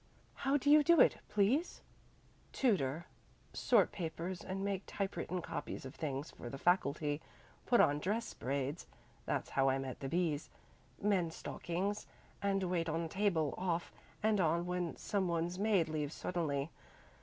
"How do you do it, please?" "Tutor, sort papers and make typewritten copies of things for the faculty, put on dress braids (that's how I met the B's), mend stockings, and wait on table off and on when some one's maid leaves suddenly.